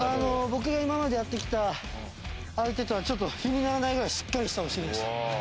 僕が今までやってきた相手とはちょっと比にならないぐらいしっかりしたお尻でした。